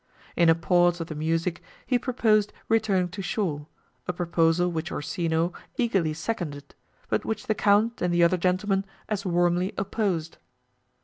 In a pause of the music, he proposed returning to shore, a proposal which Orsino eagerly seconded, but which the Count and the other gentlemen as warmly opposed.